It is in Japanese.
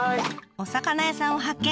お魚屋さんを発見。